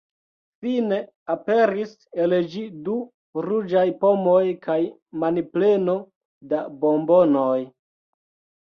Fine aperis el ĝi du ruĝaj pomoj kaj manpleno da bombonoj.